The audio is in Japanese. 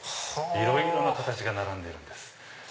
いろいろな形が並んでるんです。